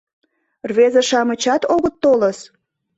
Рвезе-шамычат огыт толыс?